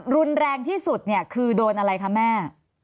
รุนแรงที่สุดเนี่ยคือโดนอะไรคะแม่